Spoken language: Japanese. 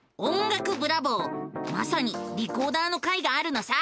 まさにリコーダーの回があるのさ！